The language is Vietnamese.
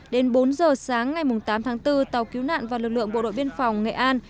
đến bốn giờ sáng ngày tám tháng bốn tàu cứu nạn và lực lượng bộ đội biên phòng nghệ an